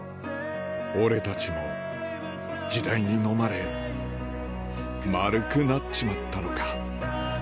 俺たちも時代にのまれ丸くなっちまったのか？